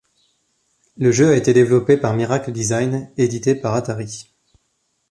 Le jeu a été développé par Miracle Designs et édité par Atari.